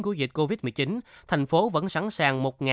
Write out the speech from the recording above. của dịch covid một mươi chín thành phố vẫn sẵn sàng